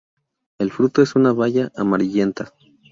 El fruto es una baya amarillenta.